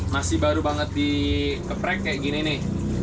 masih baru banget dikeprek kayak gini nih